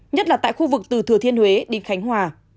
nhất là tại khu vực từ thừa thiên huế đi khánh hòa